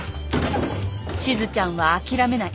しずちゃんは諦めない。